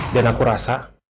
dan aku rasa